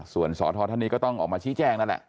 ส่วนสทท่านนี้ก็ต้องออกมาชี้แจงนั่นแหละ